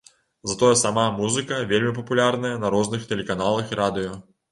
Затое сама музыка вельмі папулярная на розных тэлеканалах і радыё.